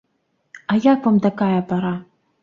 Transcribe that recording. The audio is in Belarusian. А як вам такая пара?